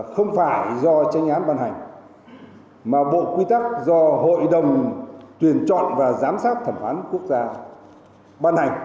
không phải do tranh án ban hành mà bộ quy tắc do hội đồng tuyển chọn và giám sát thẩm phán quốc gia ban hành